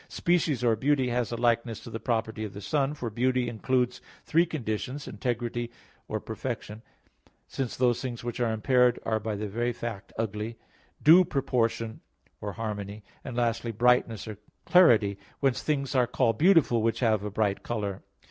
Species or beauty has a likeness to the property of the Son. For beauty includes three conditions, "integrity" or "perfection," since those things which are impaired are by the very fact ugly; due "proportion" or "harmony"; and lastly, "brightness" or "clarity," whence things are called beautiful which have a bright color.